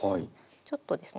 ちょっとですね